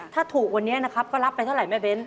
ถ้าถูกวันนี้นะครับก็รับไปเท่าไหรแม่เบ้น